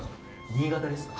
新潟ですか。